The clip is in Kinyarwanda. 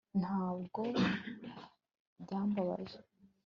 Ntabwo byambabaje